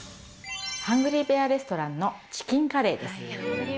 ハングリーベア・レストランのチキンカレーです。